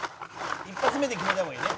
「一発目で決めた方がいいね